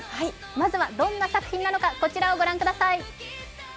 まずは、どんな作品なのか、こちらを御覧ください。